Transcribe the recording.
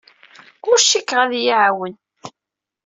Ur cikkeɣ ad iyi-iɛawen.